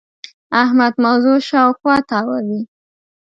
احمد موضوع شااوخوا تاووې.